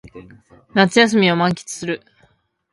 夏休みを満喫する